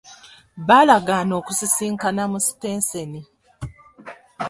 Baalagaana okusisinkana mu sitenseni.